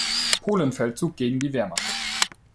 Polenfeldzug gegen die Wehrmacht.